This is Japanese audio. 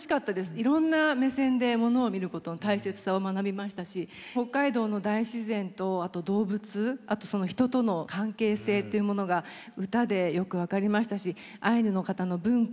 いろんな目線でものを見ることの大切さを学びましたし北海道の大自然とあと動物人との関係性っていうものが唄でよく分かりましたしアイヌの方の文化